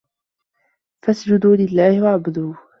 فَاسجُدوا لِلَّهِ وَاعبُدوا